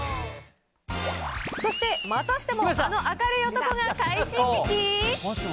そしてまたしても、この明るい男が快進撃？